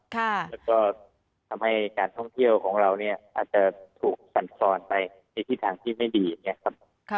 แล้วก็ทำให้การท่องเที่ยวของเราเนี่ยอาจจะถูกสั่นซอนไปในที่ทางที่ไม่ดีอย่างนี้ครับ